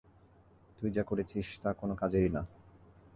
তুই যা করেছিস তা কোনো কাজেরই না।